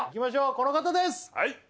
この方です！